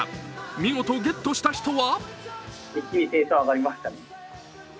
見事ゲットした人は。